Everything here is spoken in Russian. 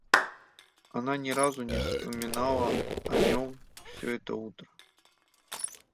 Она ни разу не вспоминала о нем всё это утро.